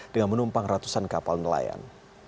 dengan menumpang ratusan kapal nelayan